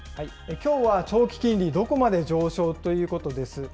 きょうは長期金利、どこまで上昇？ということです。